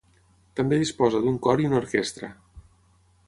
També disposa d'un cor i una orquestra.